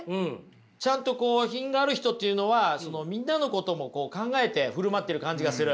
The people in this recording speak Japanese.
ちゃんとこう品がある人っていうのはみんなのこともこう考えて振る舞ってる感じがする。